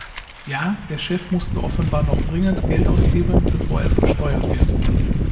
Ja, der Chef musste offenbar noch dringend Geld ausgeben, bevor es versteuert wird.